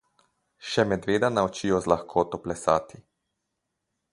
Še medveda naučijo z lakoto plesati.